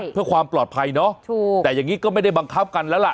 เพื่อความปลอดภัยเนาะถูกแต่อย่างนี้ก็ไม่ได้บังคับกันแล้วล่ะ